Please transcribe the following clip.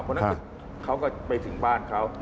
เพราะฉะนั้นเขาก็ไปถึงบ้านเขา